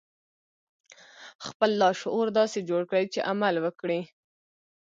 خپل لاشعور داسې جوړ کړئ چې عمل وکړي